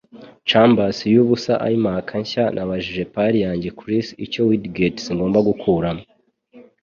canvas yubusa ya iMac nshya, nabajije pal yanjye Chris icyo widgets ngomba gukuramo.